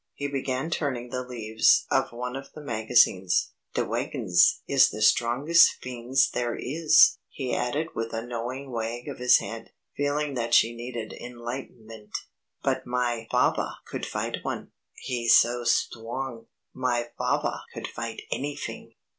He began turning the leaves of one of the magazines. "Dwagons is the stwongest fings there is," he added with a knowing wag of his head, feeling that she needed enlightenment. "But my fahvah could fight one He's so stwong. My fahvah could fight anyfing."